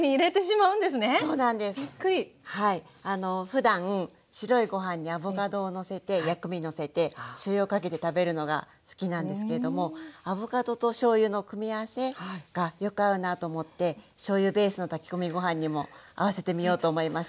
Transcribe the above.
ふだん白いご飯にアボカドをのせて薬味のせてしょうゆをかけて食べるのが好きなんですけれどもアボカドとしょうゆの組み合わせがよく合うなと思ってしょうゆベースの炊き込みご飯にも合わせてみようと思いました。